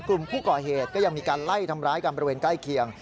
กลุ่มผู้ก่อเหตุก็ยังมีการไล่ทำร้ายกันบริเวณใกล้เคียง